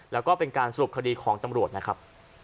แล้วก็เป็นการสรุปคดีของตำรวจนะครับ